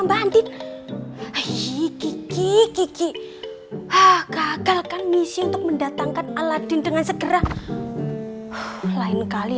mbak andin kiki kiki kagalkan misi untuk mendatangkan aladin dengan segera lain kali